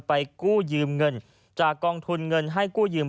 กู้ยืมเงินจากกองทุนเงินให้กู้ยืม